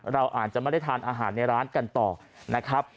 เราอาจจะไม่ได้ทานอาหารในร้านกันต่อนะครับ